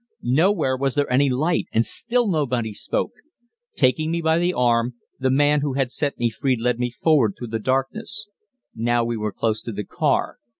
_ Nowhere was there any light, and still nobody spoke. Taking me by the arm, the man who had set me free led me forward through the darkness. Now we were close to the car.